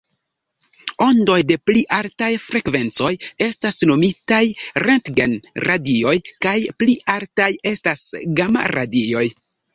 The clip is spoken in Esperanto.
Ondoj de pli altaj frekvencoj estas nomitaj rentgen-radioj kaj pli altaj estas gama-radioj.